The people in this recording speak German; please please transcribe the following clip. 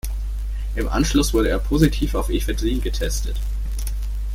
Im Anschluss wurde er positiv auf Ephedrin getestet.